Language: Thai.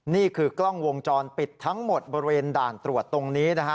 นี่คือกล้องวงจรปิดทั้งหมดบริเวณด่านตรวจตรงนี้นะฮะ